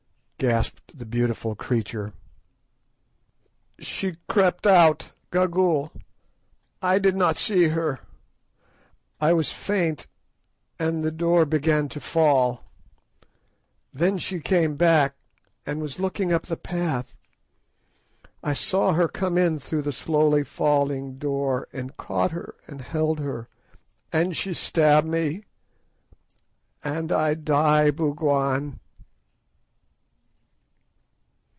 gasped the beautiful creature. "She crept out—Gagool; I did not see her, I was faint—and the door began to fall; then she came back, and was looking up the path—I saw her come in through the slowly falling door, and caught her and held her, and she stabbed me, and I die, Bougwan!"